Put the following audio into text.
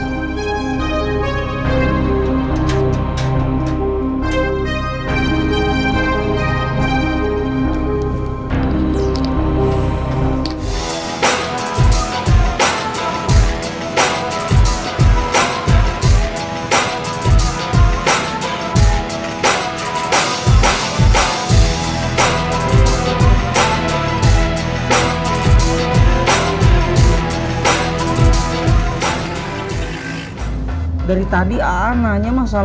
sudah berniat untuk pisah